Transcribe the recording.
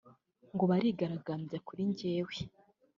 ngo barigaragambya kuri jyewe